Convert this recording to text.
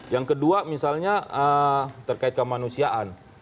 yang kedua misalnya terkait kemanusiaan